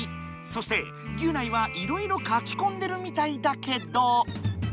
そしてギュナイはいろいろ書きこんでるみたいだけど。